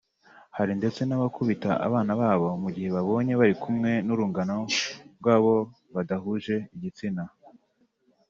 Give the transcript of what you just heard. Hari ndetse n’abakubita abana babo mu gihe babonye bari kumwe n’urungano rwabo badahuje igitsina